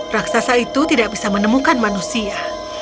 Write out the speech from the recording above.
raksasa itu tidak bisa menemukan manusia